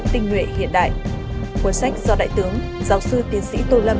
tinh nguyện hiện đại cuốn sách do đại tướng giáo sư tiến sĩ tô lâm